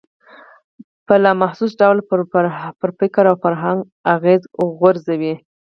په لا محسوس ډول پر فکر او فرهنګ اغېز وغورځوي.